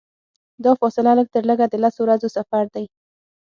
دا فاصله لږترلږه د لسو ورځو سفر دی.